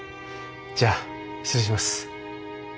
じゃあ失礼します。